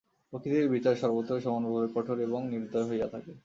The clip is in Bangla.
প্রকৃতির বিচার সর্বত্রই সমানভাবে কঠোর এবং নির্দয় হইয়া থাকে।